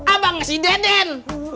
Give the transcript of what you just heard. abang si deden